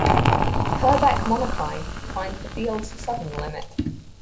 The Purbeck Monocline defines the field's southern limit.